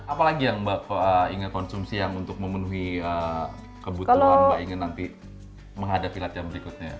apalagi yang mbak ingin konsumsi yang untuk memenuhi kebutuhan mbak ingin nanti menghadapi latihan berikutnya